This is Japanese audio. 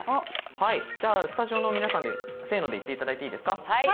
じゃあ、スタジオの皆さんでせーので言っていただいていいですか？